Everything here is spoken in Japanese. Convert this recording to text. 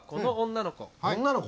女の子？